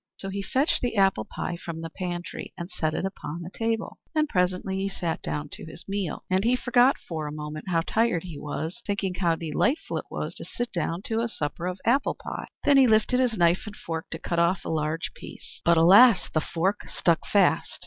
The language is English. So he fetched the apple pie from the pantry, and set it upon the table; and presently he sat down to his meal. And he forgot for a moment how tired he was, thinking how delightful it was to sit down to a supper of apple pie. Then he lifted his knife and fork to cut off a large piece; but alas, the fork stuck fast.